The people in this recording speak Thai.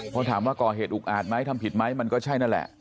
พอถามว่าก่อเหตุอุกอาจไหมทำผิดไหมมันก็ใช่นั่นแหละ